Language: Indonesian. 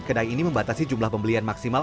kedai ini membatasi jumlah pembelian maksimal